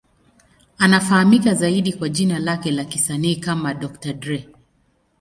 Anafahamika zaidi kwa jina lake la kisanii kama Dr. Dre.